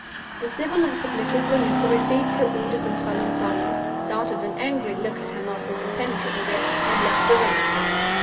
The civil and submissive Louisa received her orders in sullen silence—darted an angry look at her master's impenetrable guest—and left the room.